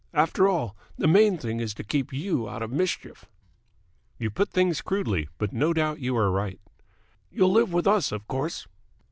After all, the main thing is to keep you out of mischief." "You put things crudely, but no doubt you are right." "You'll live with us, of course."